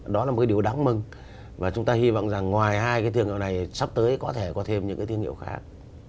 đó là một cái điều đáng mừng và chúng ta hy vọng rằng ngoài hai cái thương hiệu này sắp tới có thể có thêm những cái thương hiệu khác